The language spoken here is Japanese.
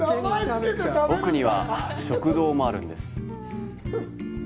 奥には食堂もあるんです。